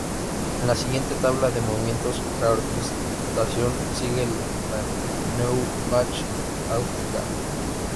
En la siguiente tabla de movimientos, la orquestación sigue la "Neue Bach-Ausgabe".